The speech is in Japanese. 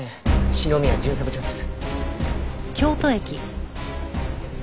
篠宮巡査部長です。